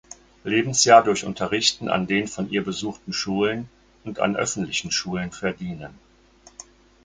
Lebensjahr durch Unterrichten an den von ihr besuchten Schulen und an öffentlichen Schulen verdienen.